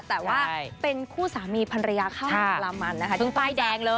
แต่ว่าเป็นคู่สามีภรรยาข้าวใหม่ปลามันนะครับ